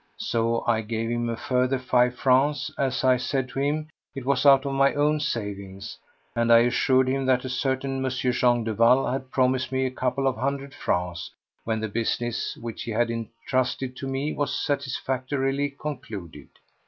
So I gave him a further five francs—as I said to him it was out of my own savings—and I assured him that a certain M. Jean Duval had promised me a couple of hundred francs when the business which he had entrusted to me was satisfactorily concluded.